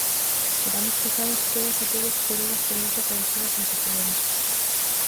Quedamos tocadas todas e todos por unha experiencia colectiva sen precedentes.